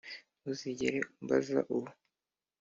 ntuzigere umbaza uwo